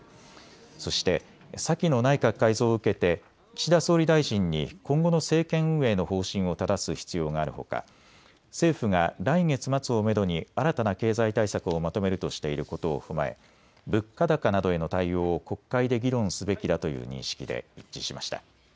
そして先の内閣改造を受けて岸田総理大臣に今後の政権運営の方針をただす必要があるほか政府が来月末をめどに新たな経済対策をまとめるとしていることを踏まえ物価高などへの対応を国会で議論すべきだという認識で一致しました。